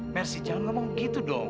merci jangan ngomong begitu dong